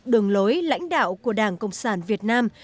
đường lối lãnh đạo của đảng cộng sản việt nam